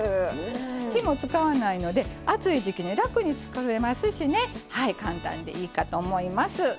火も使わないので暑い時期に楽に作れますしね簡単でいいかと思います。